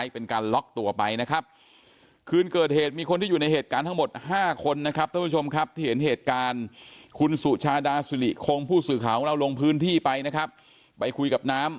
ไปดูไทม์ไลน์นะครับท่านผู้ชมครับ